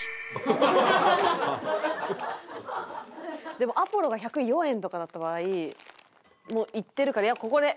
でもアポロが１０４円とかだった場合もういってるからいやここで！